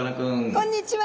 こんにちは。